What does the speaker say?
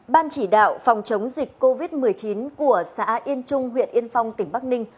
ban chỉ đạo phòng chống dịch covid một mươi chín của xã yên trung huyện yên phong tỉnh bắc ninh